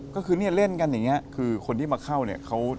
ก็คือเนี่ยเล่นกันอย่างนี้คือคนที่มาเข้าเนี่ย